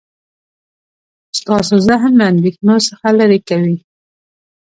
ستاسو ذهن له اندیښنو څخه لرې کوي.